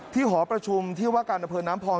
หอประชุมที่ว่าการอำเภอน้ำพอง